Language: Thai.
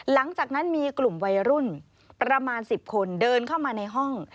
หลังจากนั้นมีกลุ่มวัยรุ่นประมาณ๑๐คนเดินเข้ามาในห้อง